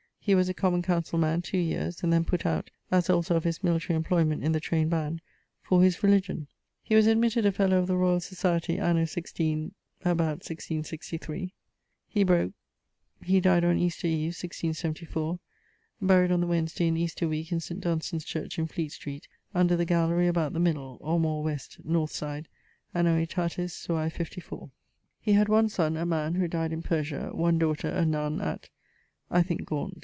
He was a common councell man 2 yeares, and then putt out (as also of his military employment in the trayned band) for his religion. He was admitted a fellowe of the Royall Societie, anno 16.. (about 1663). He broke.... He dyed on Easter eve 1674; buryed on the Wednesday in Easter weeke in St. Dunstan's church in Fleet Strete under the gallery about the middle (or more west) north side, anno aetatis suae 54. He had one son, a man, who dyed in Persia; one daughter, a nunne at ... (I thinke, Gaunt).